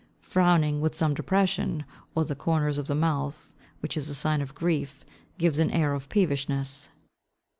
Frowning, with some depression of the corners of the mouth, which is a sign of grief, gives an air of peevishness.